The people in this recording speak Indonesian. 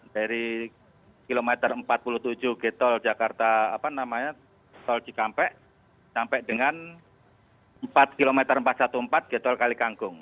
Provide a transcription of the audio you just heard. dari km empat puluh tujuh gtol jakarta apa namanya tol cikampek sampai dengan empat km empat ratus empat belas gtol kalikangkung